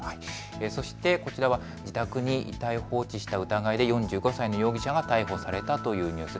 そしてこちらは自宅に遺体を放置した疑いで４５歳の容疑者が逮捕されたというニュース。